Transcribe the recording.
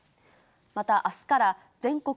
また、あすから全国